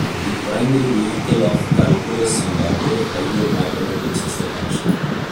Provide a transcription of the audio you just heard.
The primary vehicle of calculus and other higher mathematics is the function.